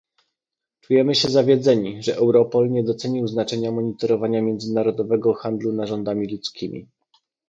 Czujemy się zawiedzeni, że Europol nie docenił znaczenia monitorowania międzynarodowego handlu narządami ludzkimi